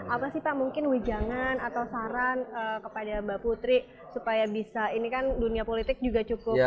apa sih pak mungkin wijangan atau saran kepada mbak putri supaya bisa ini kan dunia politik juga cukup